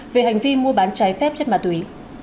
về hành vi mua bán trái phép chất ma túy